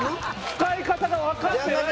使い方がわかってない。